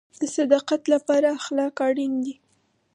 د صداقت لپاره اخلاق اړین دي